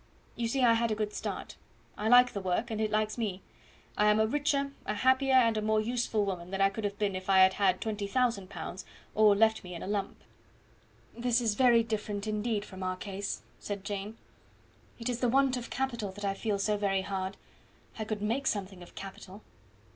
You see I had a good start. I like the work, and it likes me. I am a richer, a happier, and a more useful woman, than I could have been if I had had 20,000 pounds all left me in a lump." "This is very different, indeed, from our case," said Jane. "It is the want of capital that I feel so very hard. I could make something of capital."